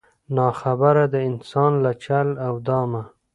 نا خبره د انسان له چل او دامه